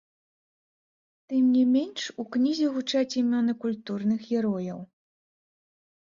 Тым не менш, у кнізе гучаць імёны культурных герояў.